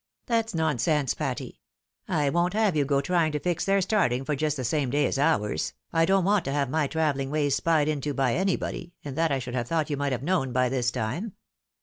"That's nonsense, Patty. I won't have you go trying to fix their starting for just the same day as ours ; I don't want to have my travelling ways spied into by anybody, and that I should have thought you might have known by this time."